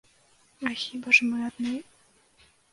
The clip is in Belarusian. А хіба ж мы адны?